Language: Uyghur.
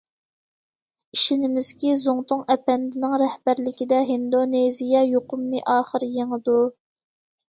ئىشىنىمىزكى، زۇڭتۇڭ ئەپەندىنىڭ رەھبەرلىكىدە، ھىندونېزىيە يۇقۇمنى ئاخىر يېڭىدۇ.